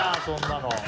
そんなの。